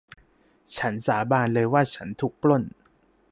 ฉันสาบานเลยว่าฉันถูกปล้น